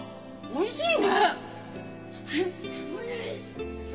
おいしい！